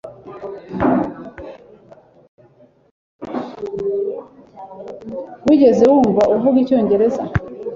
Wigeze wumva avuga icyongereza